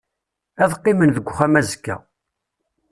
Ad qqimen deg uxxam azekka.